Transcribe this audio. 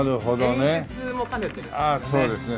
演出も兼ねてるんですよね。